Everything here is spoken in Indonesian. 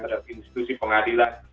terhadap institusi pengadilan